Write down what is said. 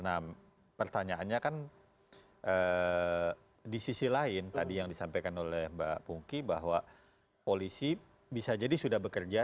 nah pertanyaannya kan di sisi lain tadi yang disampaikan oleh mbak pungki bahwa polisi bisa jadi sudah bekerja